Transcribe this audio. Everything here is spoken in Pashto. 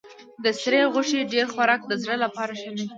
د سرې غوښې ډېر خوراک د زړه لپاره ښه نه دی.